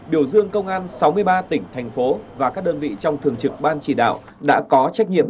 biểu dương công an sáu mươi ba tỉnh thành phố và các đơn vị trong thường trực ban chỉ đạo đã có trách nhiệm